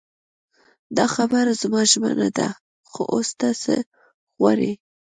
دا خبره زما ژمنه ده خو اوس ته څه غواړې.